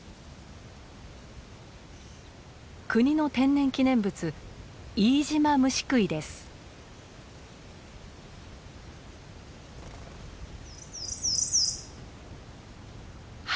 国の天然記念物春